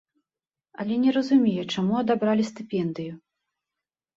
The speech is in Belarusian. Але не разумее, чаму адабралі стыпендыю.